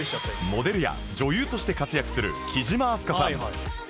モデルや女優として活躍する貴島明日香さん